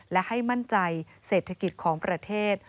และให้มั่นใจเศรษฐกิจของประเทศ